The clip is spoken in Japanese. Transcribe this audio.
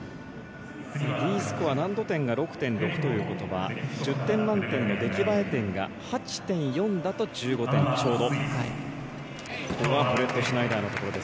Ｄスコア、難度点が６．６ということは１０点満点の出来栄え点が８．４だと１５点ちょうど。